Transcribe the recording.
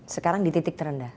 sekarang di titik terendah